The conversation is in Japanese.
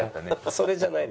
「それじゃないです」。